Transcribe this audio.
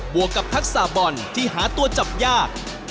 วกกับทักษะบอลที่หาตัวจับยาก